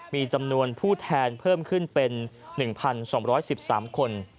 มีจำนวนผู้แทนเพิ่มขึ้นเป็นหนึ่งพันสองร้อยสิบสามคน